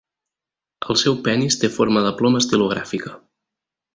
El seu penis té forma de ploma estilogràfica.